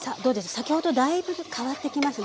先ほどだいぶ変わってきますね。